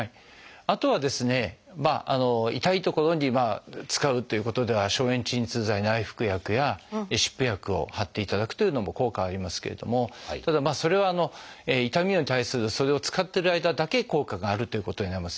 あとはですね痛い所に使うということでは消炎鎮痛剤内服薬や湿布薬を貼っていただくというのも効果はありますけれどただそれは痛みに対するそれを使ってる間だけ効果があるということになります。